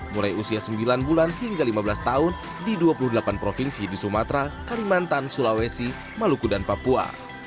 mulai usia sembilan bulan hingga lima belas tahun di dua puluh delapan provinsi di sumatera kalimantan sulawesi maluku dan papua